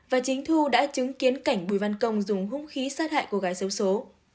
và chính thu đã chứng kiến cảnh bùi văn công dùng húng khí sát hại cô gái sâu số